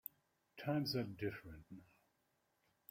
Times are different now.